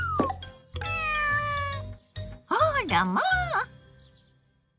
あらまあ！